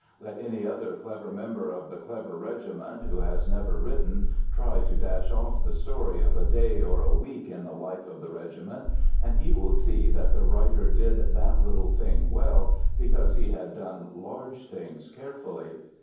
Let any other clever member of the clever regiment, who has never written, try to dash off the story of a day or a week in the life of the regiment, and he will see that the writer did that little thing well because he had done large things carefully.